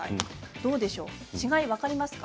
どうでしょうか？